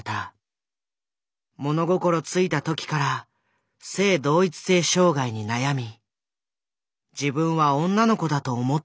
物心付いた時から性同一性障害に悩み自分は女の子だと思って生きてきた。